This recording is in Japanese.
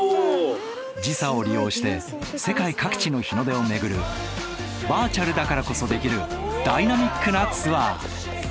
時差を利用して世界各地の日の出を巡るバーチャルだからこそできるダイナミックなツアー。